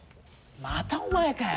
またお前かよ！